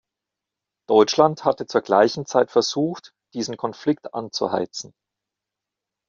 Deutschland hatte zur gleichen Zeit versucht, diesen Konflikt anzuheizen.